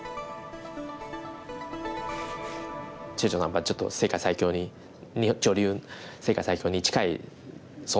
チェ・ジョンさんはちょっと世界最強に女流世界最強に近い存在じゃないですか。